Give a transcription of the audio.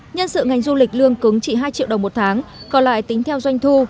nhân sự ngành du lịch lương cứng chỉ hai triệu đồng một tháng còn lại tính theo doanh thu